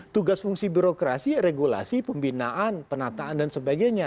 tugas fungsi birokrasi regulasi pembinaan penataan dan sebagainya